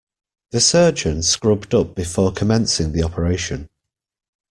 The surgeon scrubbed up before commencing the operation.